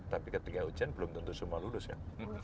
tapi ketika ujian belum tentu semua lulus ya